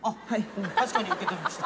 確かに受け取りました。